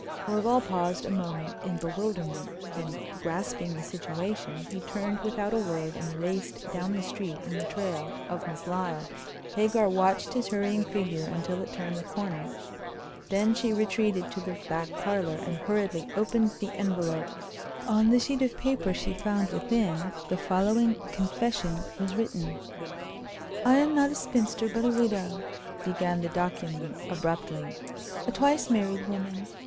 Horval paused a moment in bewilderment; then, grasping the situation, he turned, without a word, and raced down the street in the trail of Miss Lyle. Hagar watched his hurrying figure until it turned the corner; then she retreated to the back parlor, and hurriedly opened the envelope. On the sheet of paper she found within the following confession was written: "I am not a spinster, but a widow," began the document abruptly—"a twice married woman.